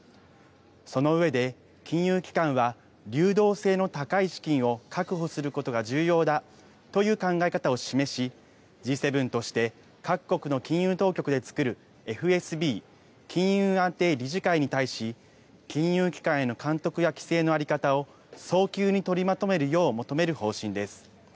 そのうえで金融機関は流動性の高い資金を確保することが重要だという考え方を示し、Ｇ７として各国の金融当局で作るＦＳＢ・金融安定理事会に対し金融機関への監督や規制の在り方を早急に取りまとめるよう求める方針です。